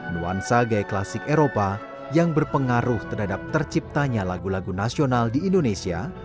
nuansa gaya klasik eropa yang berpengaruh terhadap terciptanya lagu lagu nasional di indonesia